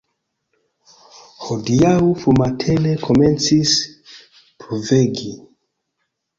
Hodiaŭ frumatene komencis pluvegi.